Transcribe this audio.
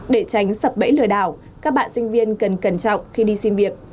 để tránh sập bẫy lừa đảo các bạn sinh viên cần cẩn trọng khi đi xin việc